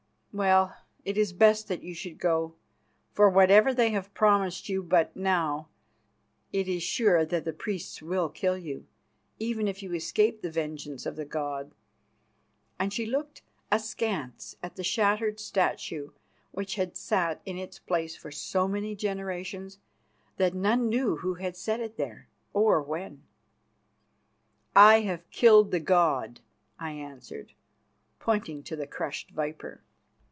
Well, it is best that you should go, for whatever they have promised you but now, it is sure that the priests will kill you, even if you escape the vengeance of the god." And she looked askance at the shattered statue which had sat in its place for so many generations that none knew who had set it there, or when. "I have killed the god," I answered, pointing to the crushed viper.